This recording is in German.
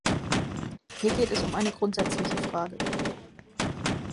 Hier geht es um eine grundsätzliche Frage.